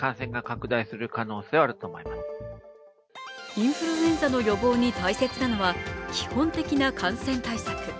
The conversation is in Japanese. インフルエンザの予防に大切なのは基本的な感染対策。